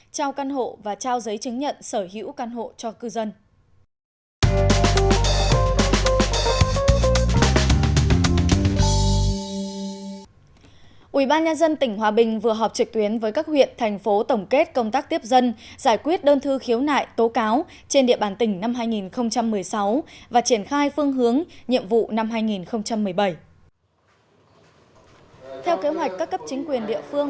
trao căn hộ và trao giấy chứng nhận sở hữu căn hộ cho cư dân